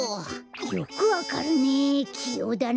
よくわかるねきようだな。